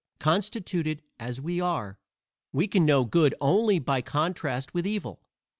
Constituted as we are, we can know good only by contrast with evil.